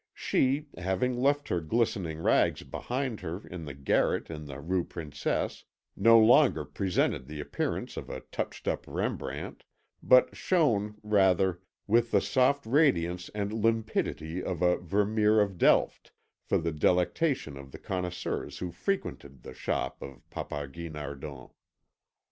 She, having left her glistering rags behind her in the garret in the rue Princesse, no longer presented the appearance of a touched up Rembrandt, but shone, rather, with the soft radiance and limpidity of a Vermeer of Delft, for the delectation of the connoisseurs who frequented the shop of Papa Guinardon.